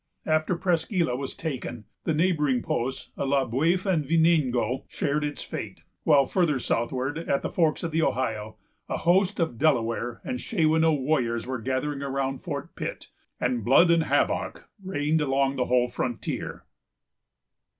After Presqu' Isle was taken, the neighboring posts of Le Bœuf and Venango shared its fate; while farther southward, at the forks of the Ohio, a host of Delaware and Shawanoe warriors were gathering around Fort Pitt, and blood and havoc reigned along the whole frontier.